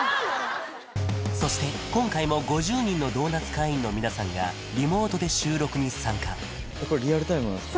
そして今回も５０人のドーナツ会員の皆さんがリモートで収録に参加そうなんです